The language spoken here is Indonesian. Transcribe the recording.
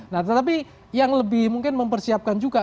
nah tetapi yang lebih mungkin mempersiapkan juga